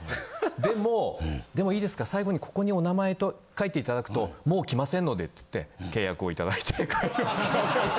でもう「でもいいですか最後にここにお名前書いて頂くともう来ませんので」って言って契約をいただいて帰るんですよ。